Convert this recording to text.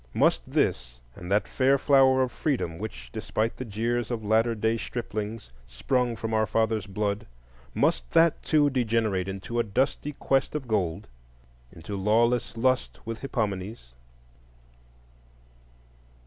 Must this, and that fair flower of Freedom which, despite the jeers of latter day striplings, sprung from our fathers' blood, must that too degenerate into a dusty quest of gold,—into lawless lust with Hippomenes?